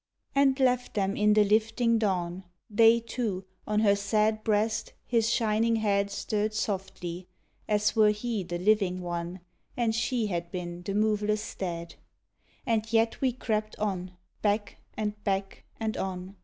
And left them in the lifting dawn they two, On her sad breast, his shining head Stirred softly, as were he the living one, And she had been the moveless dead. And yet we crept on, back, and back, and on.